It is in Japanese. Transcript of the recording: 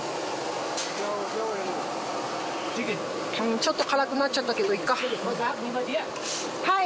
うんちょっと辛くなっちゃったけどいっかはい！